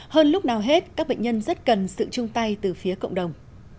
hơn lúc nào hết các bệnh nhân rất cần sự chung tay từ phía cộng đồng